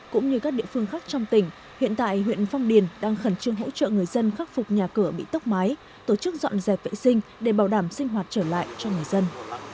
cũng như các địa phương khác trong tỉnh hiện tại huyện phong điền đang khẩn trương hỗ trợ người dân khắc phục nhà cửa bị tốc mái tổ chức dọn dẹp vệ sinh để bảo đảm sinh hoạt trở lại cho người dân